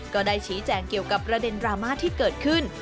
ก็ได้ชี้แจงเกี่ยวกับประเด็นดราม่าที่เกิดขึ้น